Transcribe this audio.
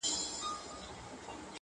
تا ولي په سوالونو کي سوالونه لټوله -